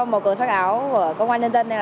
màu cờ sắc áo của công an nhân dân